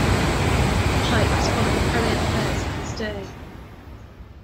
Pike was one of the premier players of his day.